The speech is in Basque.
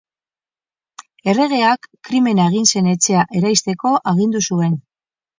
Erregeak krimena egin zen etxea eraisteko agindu zuen.